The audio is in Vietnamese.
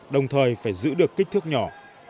đồng thời phải giữ được kích thước nhỏ